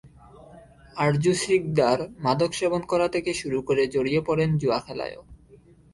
আরজু সিকদার মাদক সেবন করা থেকে শুরু করে জড়িয়ে পড়েন জুয়া খেলায়ও।